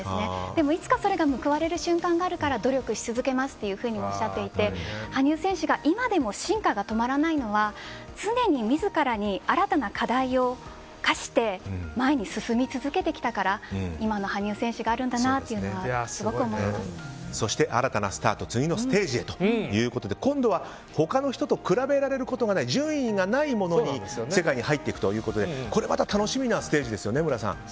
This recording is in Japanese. でも、いつかそれが報われる瞬間があるから努力し続けますとおっしゃっていて羽生選手が今でも進化が止まらないのは常に自らに新たな課題を課して前に進み続けてきたから今の羽生選手があるんだなとそして、新たなスタート次のステージへということで今度は他の人と比べられることがない順位がないものの世界に入っていくということでこれまた、楽しみなステージですよね、無良さん。